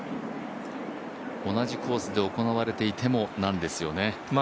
同じコースで行われていても、なんですよね。